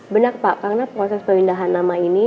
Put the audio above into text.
benar pak karena proses pemindahan nama ini